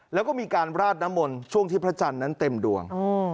แล้วก็มีการราดน้ำมนต์ช่วงที่พระจันทร์นั้นเต็มดวง